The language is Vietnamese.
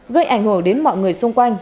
gây ảnh hưởng đến mọi người xung quanh